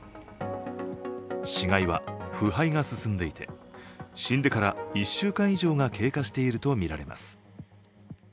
死骸は腐敗が進んでいて、死んでから１週間以上が経過しているとみられます。